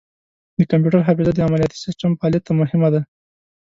د کمپیوټر حافظه د عملیاتي سیسټم فعالیت ته مهمه ده.